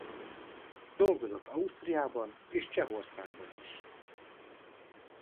Dolgozott Ausztriában és Csehországban is.